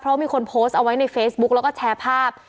เพราะมีคนโพสต์เอาไว้ในเฟซบุ๊กแล้วก็แชร์ภาพ